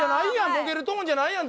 ボケるトーンじゃないやん